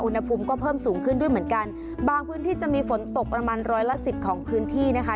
อุณหภูมิก็เพิ่มสูงขึ้นด้วยเหมือนกันบางพื้นที่จะมีฝนตกประมาณร้อยละสิบของพื้นที่นะคะ